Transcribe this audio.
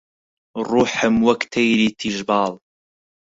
ڕووحم وەک تەیری تیژ باڵ